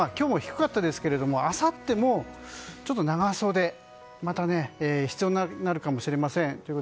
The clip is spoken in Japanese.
特に今日も低かったですけどあさっても長袖がまた必要になるかもしれません。